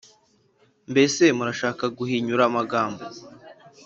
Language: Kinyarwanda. mbese murashaka guhinyura amagambo,